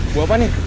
bau apa nih